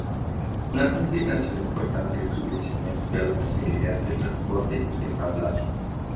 Una consideración importante en su diseño fue la facilidad de transporte y ensamblaje.